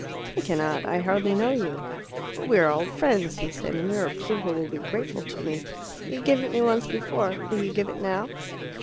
"I cannot; I hardly know you." "But we are old friends," he said, "and your approval will be grateful to me. You gave it me once before. Will you give it now?"